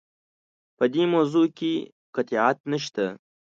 په دې موضوع کې قطعیت نشته.